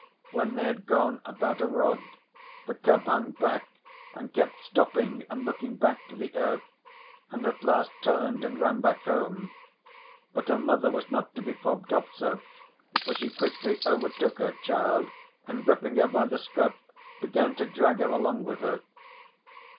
When they had gone about a rod the cub hung back and kept stopping and looking back to the earth, and at last turned and ran back home. But her mother was not to be fobbed off so, for she quickly overtook her child and gripping her by the scruff began to drag her along with her.